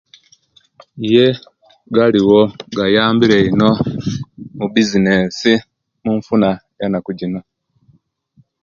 Iye galiwo gayambire ino mubizinesi munfuna ye naku gino